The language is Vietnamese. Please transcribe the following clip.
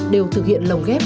đều thực hiện lồng ghét